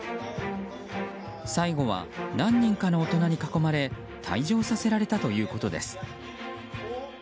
最後は何人かの大人に囲まれ退場させられたということです。